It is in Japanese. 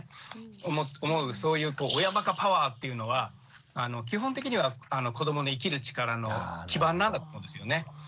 そういう親ばかパワーっていうのは基本的には子どもの生きる力の基盤なんだと思うんですよね。